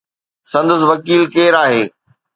سندس وڪيل ڪير آهي؟